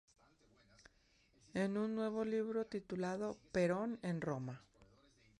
En un nuevo libro titulado: “Perón en Roma.